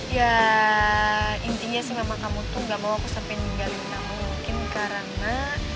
ya intinya sih mama kamu tuh gak mau aku sampai tinggalin dengan kamu mungkin karena